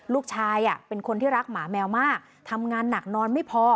ลูกชายเป็นคนที่รักหมาแมวมากทำงานหนักนอนไม่พอ